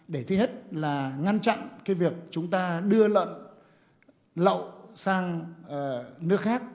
để thứ hết là ngăn chặn việc chúng ta đưa lợn lậu sang nước khác